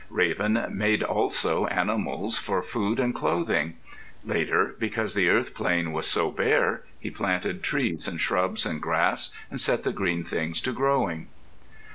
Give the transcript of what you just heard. Raven made also animals for food and clothing. Later, because the earth plain was so bare, he planted trees and shrubs and grass and set the green things to growing.